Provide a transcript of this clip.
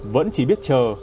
vẫn chỉ biết chờ